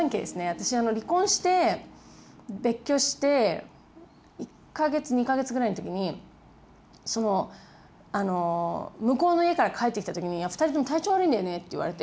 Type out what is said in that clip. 私離婚して別居して１か月２か月ぐらいの時に向こうの家から帰ってきた時に「２人とも体調悪いんだよね」って言われて。